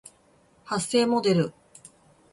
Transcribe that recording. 発声モデル